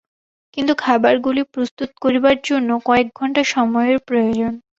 কিন্তু খাবারগুলি প্রস্তুত করিবার জন্য কয়েক ঘণ্টা সময়ের প্রয়োজন।